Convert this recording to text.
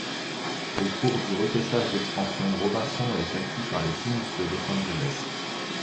Au cours du repêchage d'expansion, Robinson est acquis par les Kings de Los Angeles.